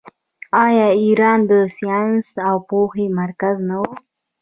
آیا ایران د ساینس او پوهې مرکز نه و؟